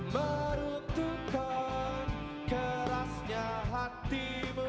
meruntuhkan kerasnya hatimu